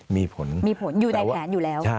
มีผลมีผลอยู่ในแผนอยู่แล้ว